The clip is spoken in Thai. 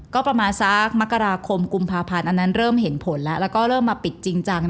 ก็ประมาณสักมกราคมกุมภาพันธ์อันนั้นเริ่มเห็นผลแล้วแล้วก็เริ่มมาปิดจริงจัง